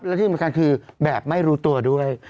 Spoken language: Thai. และที่เป็นมูลการคือแบบไม่รู้ตัวด้วย